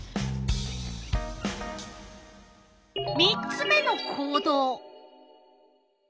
３つ目の行動。